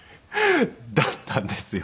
だったんですよ。